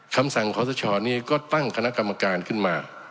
คำสั่งขอสชนี้ก็ตั้งคณะกรรมการขึ้นมา